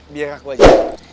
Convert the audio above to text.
biar aku aja